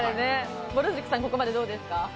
ぼる塾さん、ここまでどうですか？